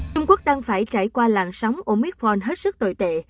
trung quốc đang phải trải qua làn sóng omitforn hết sức tồi tệ